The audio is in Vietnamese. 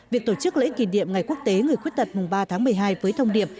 việc tổ chức lễ kỷ niệm ngày quốc tế người khuyết tật mùng ba tháng một mươi hai với thông điệp